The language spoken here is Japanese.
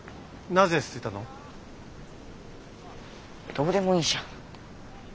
どうでもいいじゃん。